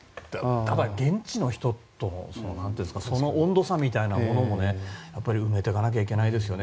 現地の人とその温度差みたいなものも埋めてかなきゃいけないですよね。